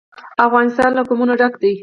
افغانستان له قومونه ډک دی.